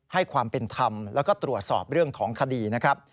ให้ความเป็นธรรมแล้วก็ตรวจสอบเรื่องของคดีนะครับ